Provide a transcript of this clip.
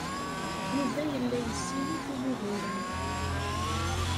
Yuba yella yessinif i wuguren.